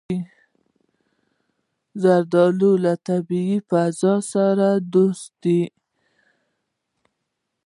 زردالو له طبیعي فضا سره دوست دی.